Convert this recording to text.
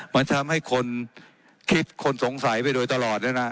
มันทำให้คนคิดคนสงสัยไปโดยตลอดเลยนะ